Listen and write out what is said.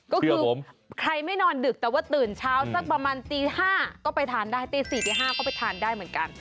ก็คือใครไม่นอนดึกแต่ว่าตื่นเช้าสักประมาณตี๕ก็ไปทานได้ตี๔ตี๕ก็ไปทานได้เหมือนกัน